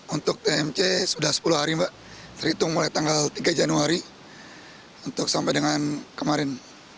untuk tmc sudah sepuluh hari mbak terhitung mulai tanggal tiga januari untuk sampai dengan kemarin